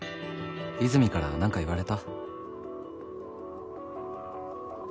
「和泉からなんか言われた？」